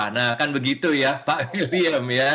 nah akan begitu ya pak william